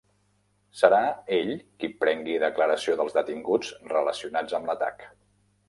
Serà ell qui prengui declaració dels detinguts relacionats amb l'atac.